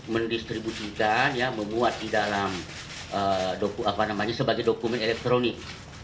mendistribusikan membuat di dalam dokumen elektronik